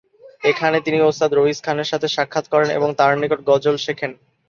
এখানে তিনি ওস্তাদ রইস খানের সাথে সাক্ষাৎ করেন এবং তাঁর নিকট গজল শেখেন।